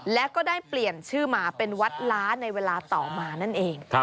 และก็ได้เปลี่ยนชื่อมาเป็นวัดล้าในเวลาต่อมานั่นเอง